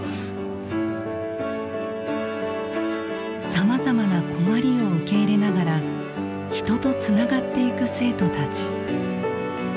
さまざまな困りを受け入れながら人とつながっていく生徒たち。